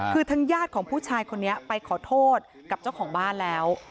คือทางญาติของผู้ชายคนนี้ไปขอโทษกับเจ้าของบ้านแล้ว